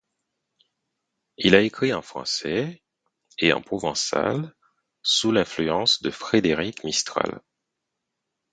Il a écrit en français et en provençal, sous l'influence de Frédéric Mistral.